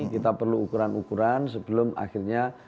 kita perlu ukuran ukuran sebelum akhirnya